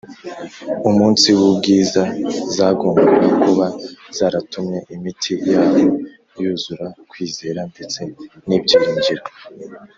umunsi w’ubwiza, zagombaga kuba zaratumye imitima yabo yuzura kwizera ndetse n’ibyiringiro